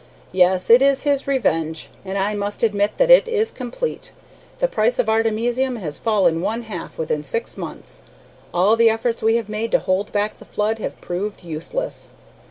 "Yes, it is his revenge, and I must admit that it is complete. The price of artemisium has fallen one half within six months. All the efforts we have made to hold back the flood have proved useless.